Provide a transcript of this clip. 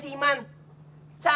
keliwatan ya si iman